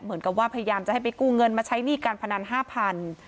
เหมือนกับว่าพยายามจะให้ไปกู้เงินมาใช้หนี้การพนันห้าพัน